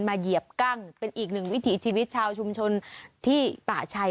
เหยียบกั้งเป็นอีกหนึ่งวิถีชีวิตชาวชุมชนที่ป่าชัย